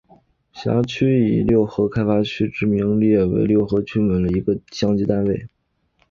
辖区以六合开发区之名列为六合区的一个类似乡级单位。